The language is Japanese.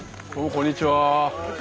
こんにちは！